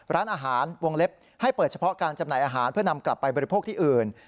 ร้านอาหารวงเล็บให้เปิดเฉพาะการจำหน่ายอาหารเพื่อนำกลับไปบริโภคที่อื่น